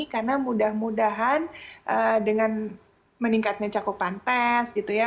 karena mudah mudahan dengan meningkatnya cakupan tes gitu ya